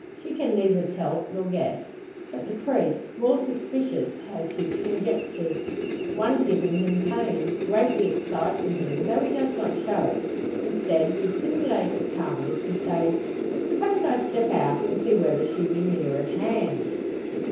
She can neither tell nor guess. But the priest, more suspicious, has his conjectures; one giving him pain greatly exciting him, though he does not show it. Instead, with simulated calmness, he says: "Suppose I step out and see whether she be near at hand?"